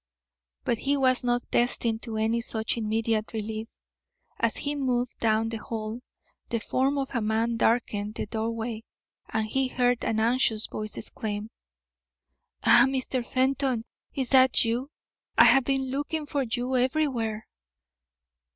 But he was not destined to any such immediate relief. As he moved down the hall the form of a man darkened the doorway and he heard an anxious voice exclaim: "Ah, Mr. Fenton, is that you? I have been looking for you everywhere."